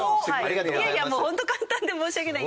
いやいやもうホント簡単で申し訳ない。